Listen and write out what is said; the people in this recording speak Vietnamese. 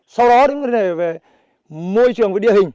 sau đó những vấn đề về môi trường và địa hình